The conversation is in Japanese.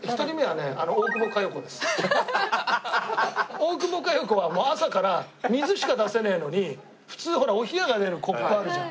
大久保佳代子は朝から水しか出せねえのに普通お冷やが出るコップあるじゃん？